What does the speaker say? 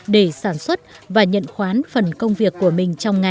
để sản xuất và nhận khoán phần công việc của mình trong ngày